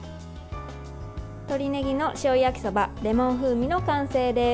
鶏ねぎの塩焼きそばレモン風味の完成です。